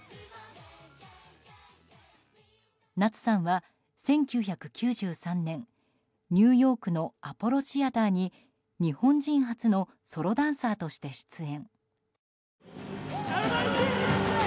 夏さんは１９９３年ニューヨークのアポロシアターに日本人初のソロダンサーとして出演。